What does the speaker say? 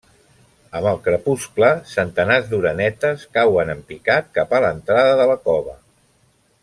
Amb el crepuscle, centenars d'orenetes cauen en picat cap a l'entrada de la cova.